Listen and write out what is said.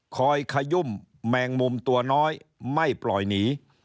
ขยุ่มแมงมุมตัวน้อยไม่ปล่อยหนี